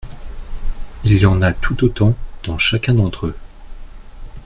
Il y en a tout autant dans chacun d’entre eux.